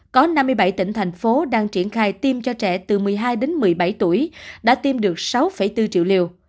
có năm mươi bảy tỉnh thành phố đang triển khai tiêm cho trẻ từ một mươi hai đến một mươi bảy tuổi đã tiêm được sáu bốn triệu liều